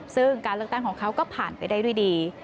ซึ่งการเลือกตั้งของเขาก็ผ่านไปได้ด้วยดี